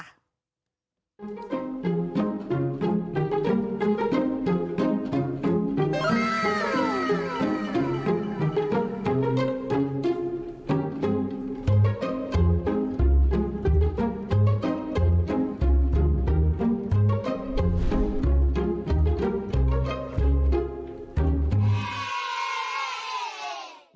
เฮ่ย